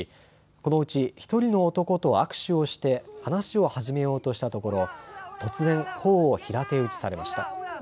このうち１人の男と握手をして話を始めようとしたところ突然、ほおを平手打ちされました。